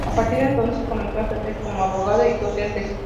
A partir de entonces comenzó a ejercer como abogado y docente.